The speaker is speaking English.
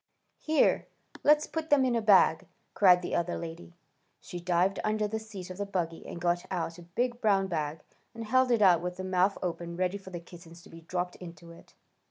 "Here! Let's put them in a bag!" cried the other lady. She dived down under the seat of the buggy and got out a big brown bag, and held it out with the mouth open ready for the kittens to be dropped into it.